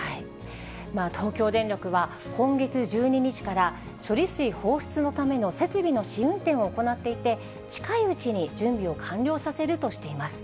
東京電力は、今月１２日から処理水放出のための設備の試運転を行っていて、近いうちに準備を完了させるとしています。